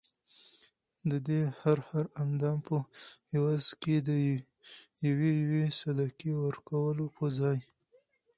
ددې هر هر اندام په عوض کي د یوې یوې صدقې ورکولو په ځای